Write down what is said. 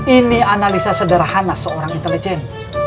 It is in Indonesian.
ini analisa sederhana seorang intelijen